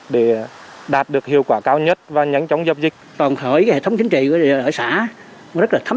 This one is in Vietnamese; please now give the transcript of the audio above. để đạt được hiệu quả cao nhất và nhanh chóng dập dịch toàn thể hệ thống chính trị của xã rất là thấp